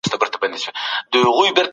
فرد خپله دنده پيژندلې ده.